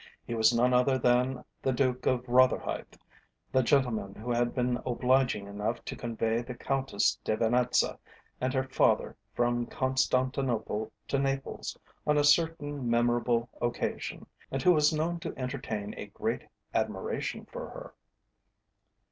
He was none other than the Duke of Rotherhithe, the gentleman who had been obliging enough to convey the Countess de Venetza and her father from Constantinople to Naples on a certain memorable occasion, and who was known to entertain a great admiration for her.